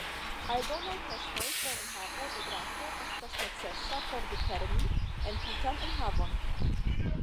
Aldonaj testoj por enhavo de graso estas necesa por determini entutan enhavon.